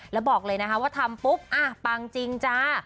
แล้วบอกเลยนะคะว่าทำปุ๊บปังจริงจ้า